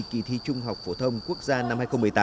kỳ thi trung học phổ thông quốc gia năm hai nghìn một mươi tám